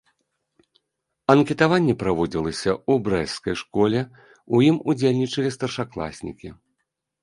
Анкетаванне праводзілася ў брэсцкай школе, у ім удзельнічалі старшакласнікі.